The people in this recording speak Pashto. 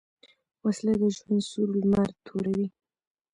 وسله د ژوند سور لمر توروي